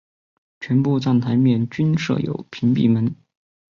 全部站台面均设有屏蔽门。